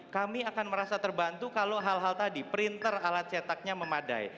kami akan merasa terbantu kalau hal hal tadi printer alat cetaknya memadai